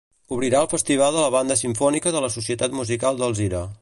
Obrirà el festival la Banda Simfònica de la Societat Musical d'Alzira.